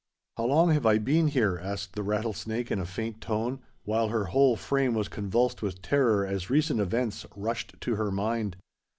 "How long have I been here?" asked the Rattlesnake in a faint tone, while her whole frame was convulsed with terror as recent events rushed to her mind.